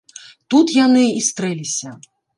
Тут яны й стрэліся.